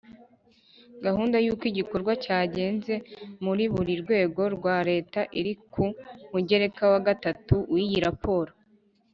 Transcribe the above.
gahunda y'uko igikorwa cyagenze muri buri rwego rwa leta iri ku mugereka wa gatatu w'iyi raporo